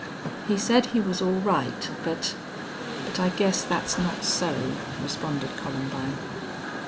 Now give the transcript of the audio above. "He said he was all right, but but I guess that's not so," responded Columbine.